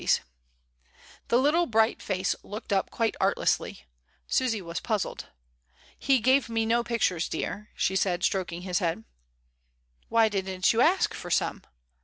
THE ATELIER. 85 The little bright face looked up quite artlessly. Susy was puzzled. "He gave me no pictures, dear," she said, stroking his head. "Why didn't you ask for some?"